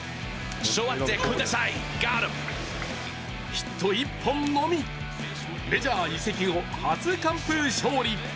ヒット１本のみ、メジャー移籍後、初完封勝利。